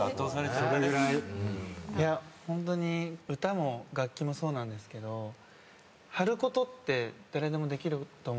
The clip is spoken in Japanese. ホントに歌も楽器もそうなんですけど張ることって誰でもできると思うんですよ